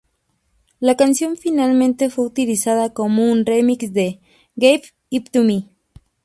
La canción finalmente fue utilizada como un remix de "Give It to Me".